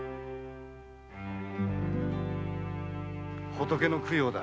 仏の供養だ。